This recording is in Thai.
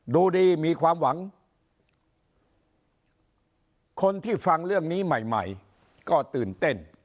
ดูดีมีความหวังคนที่ฟังเรื่องนี้ใหม่ใหม่ก็ตื่นเต้น